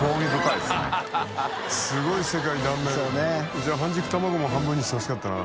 犬磴半熟卵も半分にしてほしかったな。